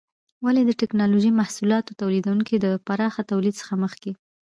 ولې د ټېکنالوجۍ محصولاتو تولیدونکي د پراخه تولید څخه مخکې؟